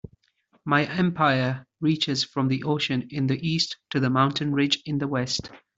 My empire reaches from the ocean in the East to the mountain ridge in the West.